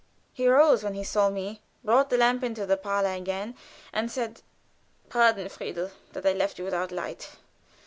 He rose when he saw me, brought the lamp into the parlor again, and said: "Pardon, Friedel, that I left you without light.